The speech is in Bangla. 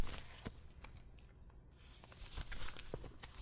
অনাগত সন্তানের মুখ দেখার জন্য অধীর আগ্রহে অপেক্ষা করছেন ফারজানা ছবি।